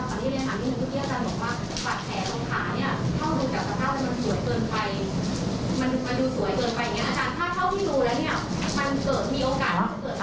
อาจารย์ตอนที่เรียนถามที่หนึ่งทุกที่อาจารย์บอกว่า